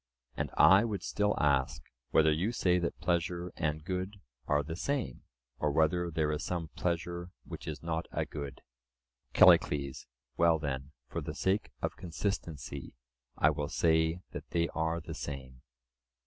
And I would still ask, whether you say that pleasure and good are the same, or whether there is some pleasure which is not a good? CALLICLES: Well, then, for the sake of consistency, I will say that they are the same.